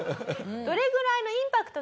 どれぐらいのインパクトなのか